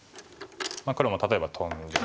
黒も例えばトンで。